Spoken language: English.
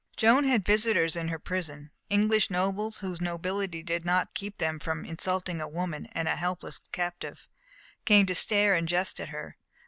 Joan had visitors in her prison. English nobles whose nobility did not keep them from insulting a woman and a helpless captive, came to stare and jest at her.